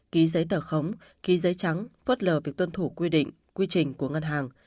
ký giấy tờ khống ký giấy trắng phớt lờ việc tuân thủ quy định quy trình của ngân hàng